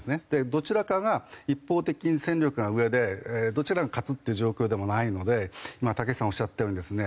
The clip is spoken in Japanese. どちらかが一方的に戦力が上でどちらが勝つっていう状況でもないのでまあたけしさんがおっしゃったようにですね